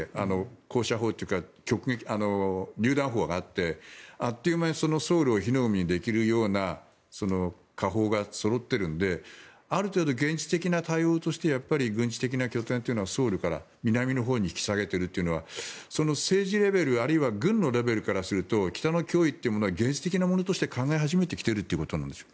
高射砲というかりゅう弾砲があってあっという間にソウルを火の海にできるような火砲がそろっているのである程度、現実的な対応として軍事的な拠点をソウルから南のほうに引き下げているというのはその政治レベルあるいは軍のレベルからすると北の脅威というのは現実的なものとして考えてきてるってことなんでしょうか。